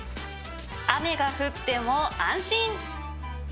雨が降っても安心